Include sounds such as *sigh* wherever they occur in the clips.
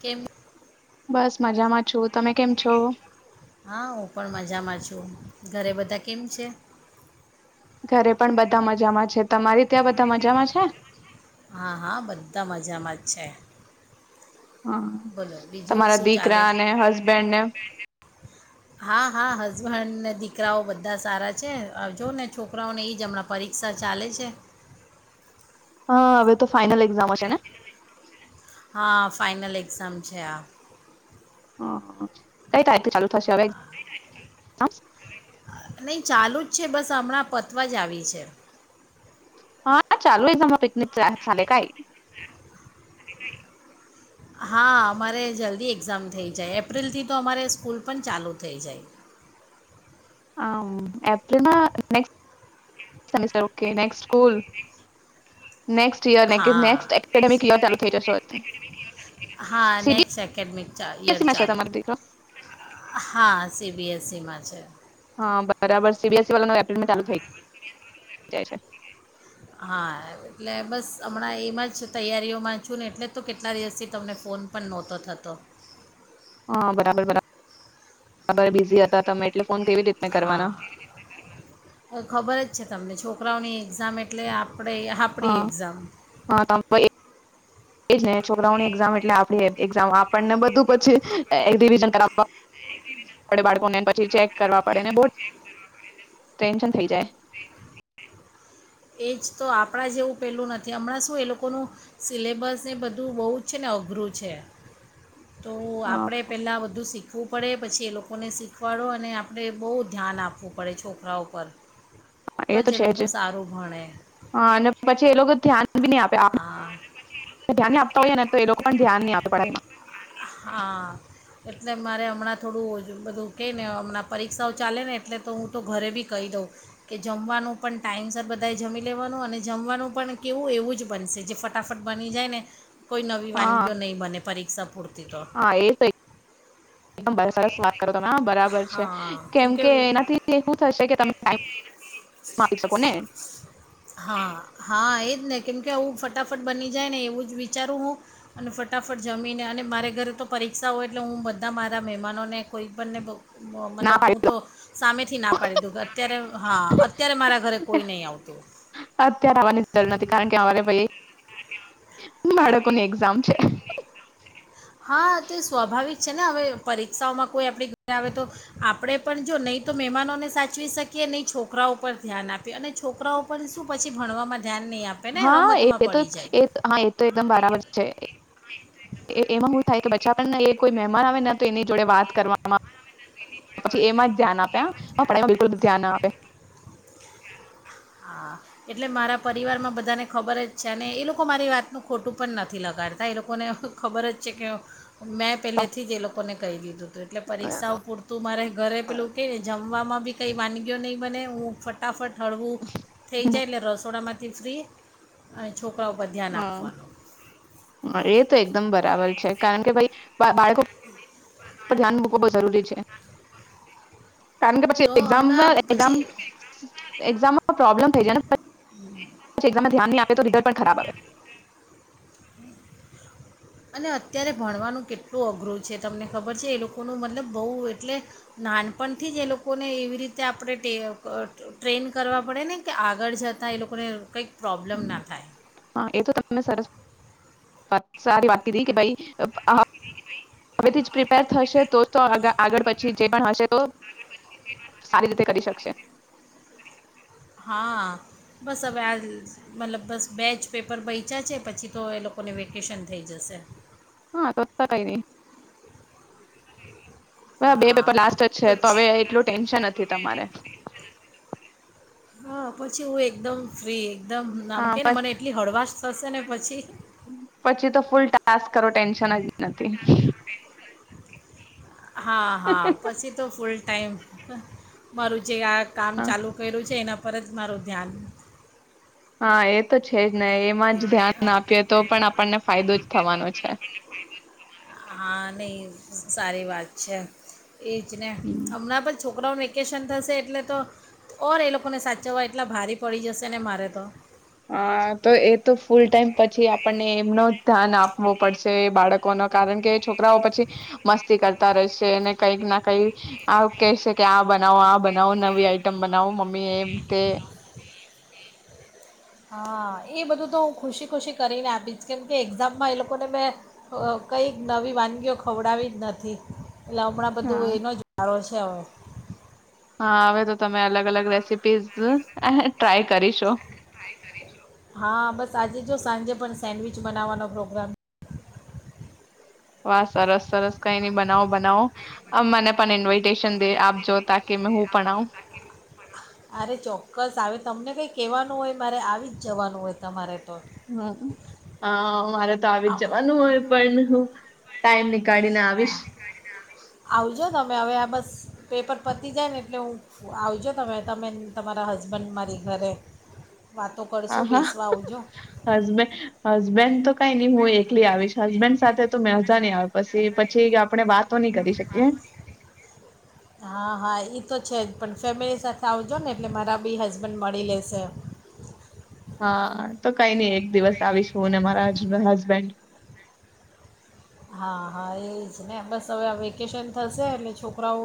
કેમ. બસ મજામાં છું તમે કેમ છો. હા હું પણ મજામાં છું ઘરે બધા કેમ છે. ઘરે પણ બધા મજામાં છે તમારી ત્યાં બધા મજામાં છે. હા હા બધા મજામાં જ છે. હમ બોલો બીજું તમારા શું ચાલે દીકરા ને હસબેન્ડ ને હા હા હસબન્ડને દીકરાઓ બધા સારા છે આવજો ને છોકરાઓને એ જ હમણાં પરીક્ષા ચાલે છે. હા હવે તો ફાઇનલ એક્ઝામ હશે ને. સમજ્યા. હમ કઈ તારીથી ચાલુ થશે હવે. એક્ઝામ્સ? *unintelligible* નહી ચાલુ જ છે બસ હમણાં. પતવા જ આવી છે. હા ચાલુ એમા પિકનિક ચાલે કઈ. *inaudible* હા અમારે જલ્દી એક્ઝામ થઈ જાય એપ્રિલથી તો અમારે સ્કૂલ પણ ચાલુ થઈ જાય. *unintelligible* યર હા હા નેક્સ્ટ એકેડેમિક યર ઈયર ચાલુ થઈ જશે નેક્સ્ટ એકેડેમિક યર સીબીએસઈમાં છે ચાલુ તમારો દીકરો? હા સીબીએસ શેમાં છે હા બરાબર સીબીએસ સી *unintelligible* ચાલુ થાય. હા એટલે બસ હમણાં એમાં જ તૈયારીઓમાં છું ને એટલે જ તો કેટલા દિવસથી તમને ફોન પણ નહોતો થતો. હા બરાબર બરાબર બરાબર બિઝી હતા તમે એટલે ફોન કેવી રીતના કરવાના? હા ખબર જ છે તમને છો કરાઓની એક્ઝામ એટલે આપ પડે આપણી હા એક્ઝામ. હા તો ભઈ એજ ને છોકરાઓની એક્ઝામ એટલે આપેડી. એક્ઝામ આપણને બધ તો પછી એક્ઝિબિશન કરાવ. બાળકોને પછી ચેક કરવા પડેને બોઉ ટેન્શન થઈ જાય. એ જ તો આપણાં જેવું પહેલું નથી હમણાં શું એ લોકોનું સિલેબસને બધું બહુ જ છે ને અઘરું છે. તો આપણે હા પેલા બધું શીખ શીખવું પડે પછી એ લોકોને શીખવાડો અને આપણે બહુ ધ્યાન આપવું પડે છોકરાઓ પર. તો એ જે છે લોકો જ સારું ભણે હા અને પછી એ લોકો થિયા. આપ્યા આપે હા ધ્યાન નહિ આપતા હોઈ ને તો એ લોકો પણ ધ્યાન નહી આપે પઢાઈ માં. હા એટલે મારે હમણાં થોડું બધું કહી ને હમણાં પરીક્ષાઓ ચાલે ને એટલે તો હું તો ઘરે બી કહી દઉં કે જમવાનું પણ ટાઈમ સર બધાએ જમી લેવાનું અને જમવાનું પણ કેવું એવું જ બનશે જે ફટાફટ બની જાય ને કોઈ નવી હા વાનગીઓ નહી બને પરીક્ષા પૂરતી તો હા એ તો. *unintelligible* સરસ વાત કરો તમે હા બરાબર છે હા કેમ કેમકે કે એનાથી હું થશે કે તમે ટાઈમ માંગી શકો ને. હા હા એ જ ને કેમ કે આવું ફટાફટ બની જાય ને એવું જ વિચારું હું અને ફટાફટ જમીને અને મારે ઘરે તો પરીક્ષા હોય એટલે હું બધા મારા મે માનોને કોઈ પણ ને કોઉ મો ના મતલબ હું પાડી દો તો સામેથી ના પાડી ડોઉ કે અત્યારે હા અત્યારે મારા ઘરે કોઈ નહીં આવતું. અત્યારે આવવાની જરૂર નથી કારણ કે અમારે ભાઈ બાળકોની એક્ઝામ છે હા તે સ્વાભાવિક છે ને હવે પરીક્ષાઓમાં કોઈ આપડે ઘરે આવે તો આપણે પણ જો નહી તો મહેમાનોને સાચવી શકીએ નહી છોકરાઓ પર ધ્યાન આપીએ અને છોકરાઓ પર શું પછી ભણવાવામાં હા એ તો હા. તો એકદમ બરાબર છે એ એમાં *unintelligible* થ કે બા પણને એ કોઈ મહેમાન આવે ના તો એની જોડે વાત કરવામાં આવે પછી એમાં *unintelligible* ધ્યાન આપે હા આપને બિલકુલ ધ્યાન ના આપે. હા એટલે મારા પરિવારમાં બધાને ખબર જ છે અને એ લોકો મારી વાતનું ખોટું પણ નથી લગાડતા એ લોકોને ખબર જ છે કે મેં તો પહેલેથી જ એ લોકોને કઈ ગીધું એટલે પરીક્ષાઓ પૂરતું મારે ઘરે પેલું કે ને જમ રમવામાં બી કંઈ વાનગીઓ નહીં બને હું ફટાફટ થળવુંક થઈ જાય એટલે રસોડામાં કે ફ્રી *unintelligible* અને છોકરી હમ *unintelligible* હ એ તો એકદમ બરાબર છે કારણ કે ભાઈ બાળકો પણ ધ્યાન બૂકો બહુ જરૂરી છે *unintelligible* કારણ કે પછી તો હમણાં એઝામમાં પછી એામમાં પ્રોબ્લેમ થઈ જાય ામ્યાન આપ તોધર પણ ખરાબ આવ *unintelligible* અને અત્યારે ભણવાનું કેટલું અઘરું છે તમને ખબર છે, એ લોકોનું મતલબ બહુ એટલે નાનપણથી જ એ લોકોને એવી રીતે આપણે ટેવ અહ ટ્રેન કરવા પડે ને કે આગળ જતાં એ લોકોને કંઈક પ્રોબ્લેમ ના થાય હા એ તો તમે *unintelligible* વાત સારી વાત કીધી કે ભઈ હા, હવેથી જ ટ્રિટ *unintelligible* થશે તો જ તો આગળ-આગળ પછી જે પણ હશે તો, તો સારી રીતે કરી શકશે. હા. બસ હવે આ મતલબ બસ બે જ પેપર બયચા છે, પછી તો એ લોકોને વેકેશન થઈ જશે. હા *unintelligible* *inaudible* હવે બે હા. પેપર લાસ્ટ જ છે તો પછ હવે એટલું ટેન્શન નથી તમારે હા, પછી હું એકદમ ફ્રી. એકદમ આમ હા કેને પ- મને એટલી હળવાશ થશે ને પછી પછી તો ફૂલ ટાસ્ક કરો ટેન્શન જ નથી. હા, હા પછી તો ફૂલ ટાઈમ. *inaudible* મારું જે આ કામ હા ચાલુ કયરું છે એના પર જ મારું ધ્યાન હા, એ તો છે જ. ને *unintelligible* એમાં તો જ ધ્યાન આપીએ પણ આનણનેા તો પણ આપણને ફાયદો જ થવાનો છે ફાયદો *unintelligible* હાં નઈ સારી વાત છે. એજ ને હમ. અમના પણ છોકરાઓને વેકેશન થશે એટલે તો ઓર એ લોકોને સાચવવા એટલા ભારે પડી જશે ને મારે તો. અ તો એ તો ફૂલ ટાઈમ પછી આપણને એમનો ધ્યાન આપવો પડશે બાળકો ન કારણ કે છોકરાઓ પછી મસ્તી કરતા રહેશે અને કઈક ના કઈ આ કેહેશે કે આ બનાવો આ બનાવો નવી આઈટમ બનાવો. મ મેં *unintelligible* તે હા એ બધું તો હું ખુશી ખુશી કરીને આપીશ કેમ કે એક્ઝામમાં એ લોકોને મેં અ કંઈક નવી વાનગીઓ ખવડાવી જ નથી. એટલે હમણાં હા બધું એનો જ વારો છે. છેઓ *unintelligible* હા હવે તો તમે અલગ અલગ રેસીપીઝ *unintelligible* ટ્રાય કરીશું. હા બસ આજે જો સાંજે પણ સેન્ડવિચ બનાવાનો પ્રોગ્રામ. વાહ સરસ સરસ કઈ નહી બનાવો બનાવો. અ મને પણ ઇન્વિટેશન દે આપજો તાકી મે હું પણ આવું. *inaudible* અરે ચોક્કસ આવે તમને કઈક કહેવાનું હોય મારે આવી જ જવાનું હોય તમારે. તો હમ્મ અ મારે તો આવી જ આવ જવાનું હોય પણ હું ટાઈમને કાઢીને આવીશ. આવજો તમે હવે આ બસ પેપર પતી જાય ને એટલે હું આવજો તમે તમે તમારા હસબન્ડ મારી ઘરે. વાતો હા કરશું હા બેસવા આવજો હસબેન્ડ હસબેન્ડ તો કઈ નઈ હું એકલી આવીશ હસબેન્ડ સાથે તો મેંજા નઈ આવ. પશી પછી આપણે વાત હા હા ઈ તો છેજ. પણ ફેમિલી સાથે આવજોને એટલે મારા બી હસબન્ડ મળી લેશે. હા તો કઈ નઈ એક દિવસ આવીશ હું ને મારા હસબેન્ડ હા હા એ જ ને બસ હવે આ વેકેશન થશે એટલે છોકરાઓ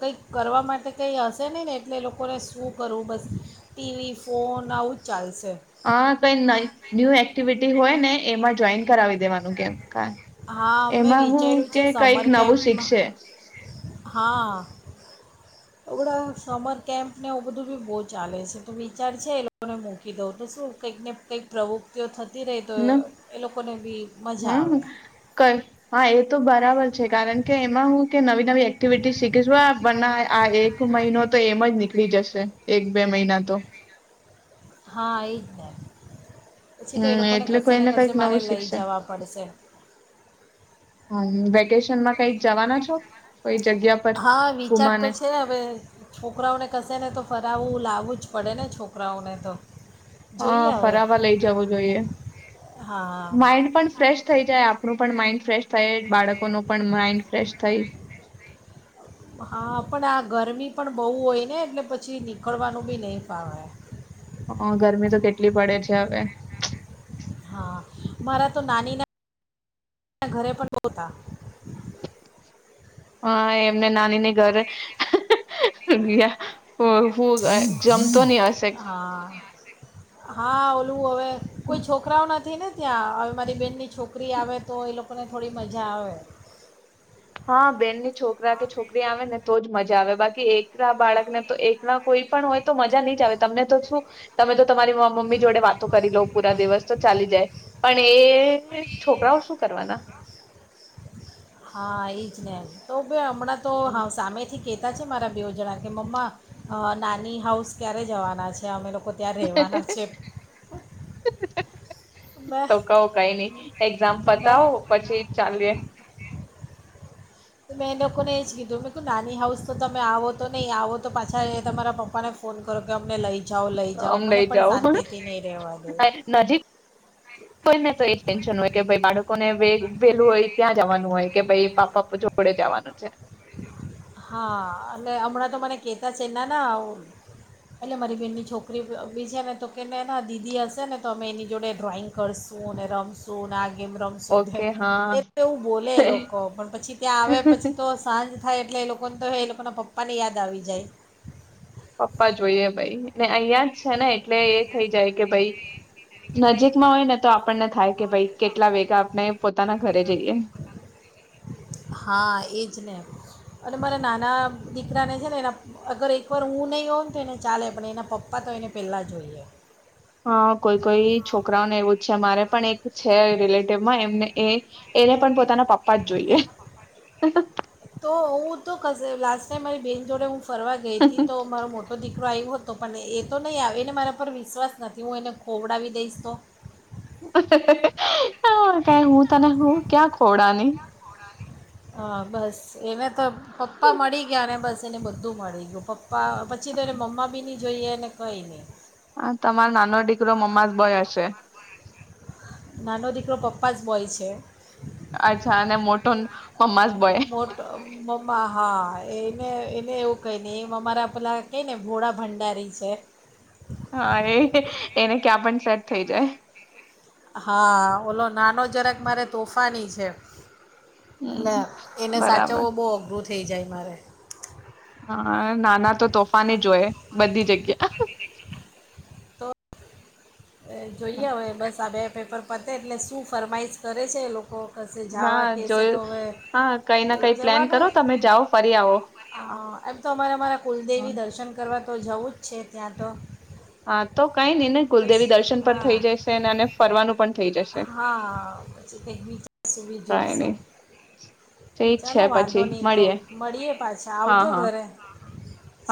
કંઈક કરવા માટે કંઈ હશે નહીં ને એટલે લોકોને શું કરવું બસ ટી વી ફોન આવું જ ચાલશ. હા કઈ નઈ ન્યૂ એક્ટિવિટી હોય ને એમાં જ જોઈન કરાવી દેવાનું કેમ. કાય હા મેં એમાં હું વિચાર્યું કે છે કઈક સમર નવું કેમ્પમાં શીખશે. હા હમણાં સમર કેમ્પને એ બધું બી બહુ ચાલે છે તો વિચાર છે એ લોકોને મૂકી દઉં તો શું કંઈક ને કંઈક પ્રવૃત્તિઓતી થ ન મજા હમ્મ આવે કય હા એ તો બરાબર છે કારણ કે એમાં હું કે નવી નવી એ- ક્ટિવિટી શીખીશું આ બન ના આ એક મહિનો તો એમ જ નીકળી જશે એક બે મહિના તો. હા એજ ને. પછી તો એ હમ લોકોને એટલે કશે ને કોઈને કશે કઈક મારે નવું લઈ શીખશે જવા પડશે. હમ્મ વેકેશનમાં કઈક જવાના છો? કોઈ જગ્યા પર હા વિચાર તો ગુમાને છે હવે છોકરાઓને કશે ને તો ફરાવું લાવું જ પડે ને છોકરાઓને તો. હા જોઈએ હવે ફરાવા લઈ જવું જોઈએ. હા માઈન્ડ પણ ફ્રેશ થઈ જાય આપણું પણ માઇન્ડ ફ્રેશ સાઈડ. બાળકો નો પણ માઈન્ડ ફ્રેશ થઈ હા પણ આ ગરમી પણ બહુ હોય ને એટલે પછી નીકળવાનું બી નહી ફાવે. હ ગરમી તો કેટલી પડે છે હવે. હા મારા તો નાની ના ઘરે પણ બો તાપ હા એમને નાનીને ઘર *unintelligible* હું હું જમતો ની હશે. હા હા ઓલું હવે. કોઈ છોકરાઓ નથી ને. ત્યાં હવે મારી બેહેનની છોકરી આવે તો એ લોકોને થોડી મજા આવે. હા બેનની છોકરા કે છોકરી આવે ને તો જ મજા આવે બાકી એક કલા બાળકને તો એકલા કોઈ. પણ હોય તો મજા ની જ આવે તમને તો શું તમે. તમારી મમ્મી જોડે વાતો કરી લઉ પૂરા દિવસ તો ચાલી જાય. પણ એ છોકરાઓ શું કરવાના. હા એજ ને તો. તોયે હમણાં તો સામેથી કે. કેહતા જ મારા બે જણા કે મમ્મા નાની હાઉસ ક્યારે જવાના છે અમે લોકો. ત્યાં રહેવાના છે *inaudible* મેં તો કહો કઈ નઈ એક્ઝામ મેં પતાવો પછી ચાલીએ. તો મેં એ લોકોને એ જ કીધું કે નાની હાઉસ તો તમે આવો તો નહીં આવો તો પાછા એ તમારા પપ્પાને ફોન કરો કે અમને લઈ. જાઓ લઈ જાઓ અમ મને લઈ પણ જાવ શાંતિથી નહીં રહેવા દે નજીક હોઈ ને તો એ ટેન્શન હોય કે બાળકોને. વે વેલું હોય ત્યાં જવાનું હોય કે ભાઈ પાપાપ જોડે જવાનું છે. હા એને હમણાં તો મને કેહતા છે ના ના હું એટલે મારી બેનની છોકરી બી છે ને તો કેને એ દીદી હશે ને તો અમે એની જોડે ડ્રોઈંગ કરશું રમશું ને અ ગમે રમસુ ઓકે *unintelligible* હા એટલે એવું બોલે લોકો પણ પછી ત્યાં આવે પછી તો થાય એટલે એ લોકોને તો એ લોકોના પપ્પા ને યાદ આવી જાય. પપ્પા જોઈએે ભાઈ. અહીંયા જ છે ને એટલે એ થઈ જાય કે ભાઈ નજીકમાં હોય ને તો આ પણને થાય કે ભાઈ કેટલા વેગા આપણે. પોતાના ઘરે જઈએ. હા એ જ ને અને મારા નાના દીકરાને છે ને એના અગર એકવાર હું નહી હોઉ તો એને ચાલે પણ એના પપ્પા તો એને પહેલા જોઈએ. હા કોઈ કોઈ છોકરાઓને એવું છે મારે પણ એક છે રેલેટીવમાં એમને પણ એક છે એ ને પણ પોતાના. પપ્પા જ જોઈએ. તો હું તો *unintelligible* લાસ્ટ ટાઈમ મારી બેહેન જોડે હું. ફરવા ગઈ હતી તો મારો મોટો દીકરો આવ્યો તો પન એ તો નઈ આવે ને મારા પર વિશ્વાસ નથી હું એને ખોવડાવી દઈશ તો હાં કંઈ હું તને હું ક્યાં ખોવડાની હા બસ એને તો પપ્પા મળી ગયા ને બસ તેને બધું મળી ગયુ પપ્ પ્પા પછી તો એને મમ્મા બી ની જોઈએ એને કંઈ ની હા તમારો નાનો ડીકરો મમ્મા જ બયા છે નાનો દીકરો પપ્પા જ બોય છે. અચ્છા અને મોટોન મમ્મા ઝ બોય મોટ મમ્મા હાં એને એને એવું કઈ ની એ અમારા પેલાં કેયને ભોળા ભંડારી છે. હાં એય ને એને ક્યાં પણ સેટ થઈ જાય. હાં ઓલો નાનો જરાક મારે તોફાની છે. ના હમ એને બરાબર સાચવવો બઉ અઘરું છે. થેઈ જાય મારે હાં નાના તો તોફાની જહોય બધી જગ્યા તો જોઈએ અવે બસ આ બે પેપર પતે એટલે શું ફરમાઈશ કરે છે એ લોકો કશે ના જાવા કેશે તો જોયું હવે હા કઈ ના કઈ પ્લાન જવાનું કરો તમે જાઓ ફરી આવો હા એમ તો અમારે અમારા કુલદેવી દર્શન કરવા તો જવું જ છે ત્યાં તો હા તો કઈ નઈ ને કુલદેવી દર્શન પણ થઈ હા જશે અને ફરવાનું પણ થઈ જશે હા પછી કંઈક વિચારશું બીજું કઈ શુ નઈ ઠીક ચાલો છે વાંધો પછી નહી તો મળીએ મળીએ પાછા હા આવજો હા ઘરે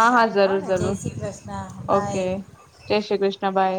ચાલો હા ને જય શ્રી કૃષ્ણ ઓકે બાય જય શ્રી કૃષ્ણ બાય.